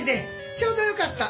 ちょうどよかった。